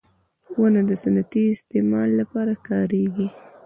• ونه د صنعتي استعمال لپاره کارېږي.